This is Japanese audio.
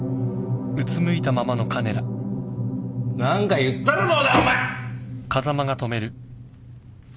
何か言ったらどうだお前！